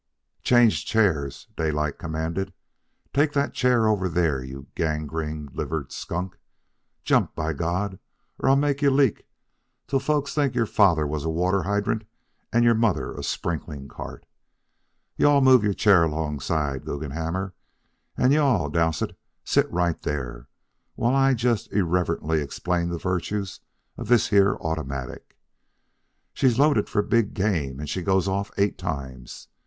"Change chairs," Daylight commanded. "Take that chair over there, you gangrene livered skunk. Jump! By God! or I'll make you leak till folks'll think your father was a water hydrant and your mother a sprinkling cart. You all move your chair alongside, Guggenhammer; and you all Dowsett, sit right there, while I just irrelevantly explain the virtues of this here automatic. She's loaded for big game and she goes off eight times.